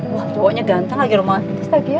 wah cowoknya ganteng lagi romantis lagi ya